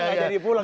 gak jadi pulang